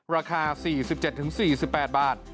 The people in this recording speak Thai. ราคา๔๗๔๘บาท